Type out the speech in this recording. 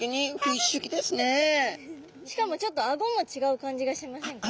しかもちょっとアゴも違う感じがしませんか？